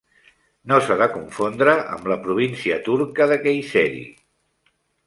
No s'ha de confondre amb la província turca de Kayseri.